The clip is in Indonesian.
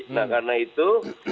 nah karena itu